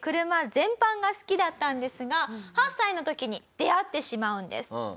車全般が好きだったんですが８歳の時に出会ってしまうんです。